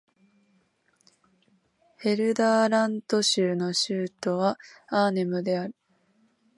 ヘルダーラント州の州都はアーネムである